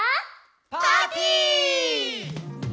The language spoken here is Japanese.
パーティー！